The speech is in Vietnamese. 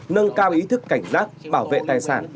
nâng cao ý thức cảnh giác bảo vệ tài sản